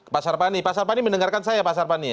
pasar pani pasar pani mendengarkan saya ya pasar pani ya